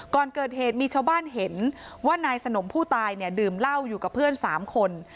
ก่อนเกิดเหตุมีชาวบ้านเห็นว่านายสนมผู้ตายเนี่ยดื่มเหล้าอยู่กับเพื่อน๓คน